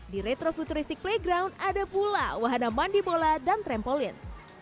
di retro futuristik playground ada pula wahana mandi bola dan trampolin